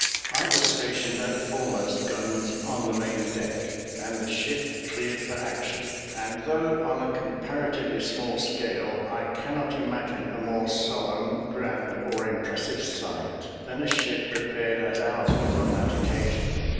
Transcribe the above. I was stationed at the foremost guns on the main deck, and the ship cleared for action; and though on a comparatively small scale, I cannot imagine a more solemn, grand, or impressive sight, than a ship prepared as ours was on that occasion.